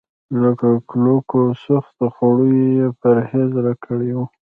له کلکو او سختو خوړو يې پرهېز راکړی و.